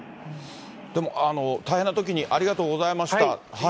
でも大変なときにありがとうございました。